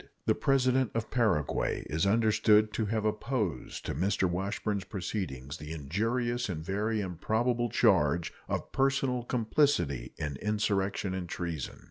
The President of Paraguay is understood to have opposed to Mr. Washburn's proceedings the injurious and very improbable charge of personal complicity in insurrection and treason.